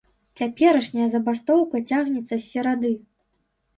Цяперашняя забастоўка цягнецца з серады.